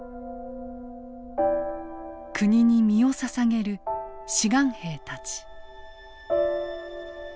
国に身をささげる志願兵たち。